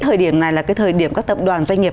thời điểm này là cái thời điểm các tập đoàn doanh nghiệp